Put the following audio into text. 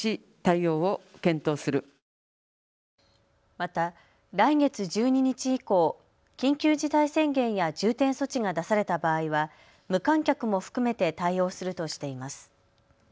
また来月１２日以降、緊急事態宣言や重点措置が出された場合は無観客も含めて対応するとしています。